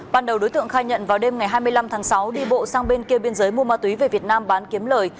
ban đầu đối tượng khai nhận vào đêm ngày hai mươi năm tháng sáu đi bộ sang bên kia biên giới mua ma túy về việt nam bán kiếm lời